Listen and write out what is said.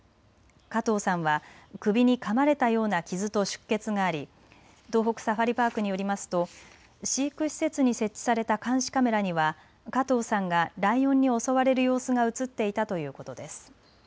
加藤さんは首にかまれたような傷と出血があり東北サファリパークによりますと飼育施設に設置された監視カメラには加藤さんがライオンに襲われる様子が写っていたということです。